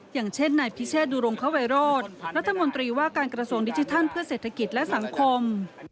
อย่างเช่นนายพิเชษดุรงควัยโรธรัฐมนตรีว่าการกระทรวงดิจิทัลเพื่อเศรษฐกิจและสังคม